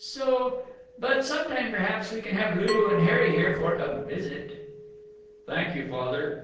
So But some time, perhaps, we can have Lulu and Harry here for a visit." "Thank you, Father.